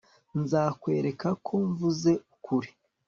nzakwereka ko mvuze ukuri